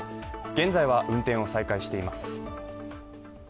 現在は運転を再開しています。